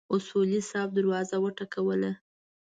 اصولي صیب دروازه وټکوله.